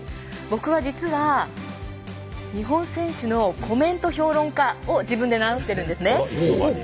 僕は実は日本選手のコメント評論家を自分で名乗っているんですね。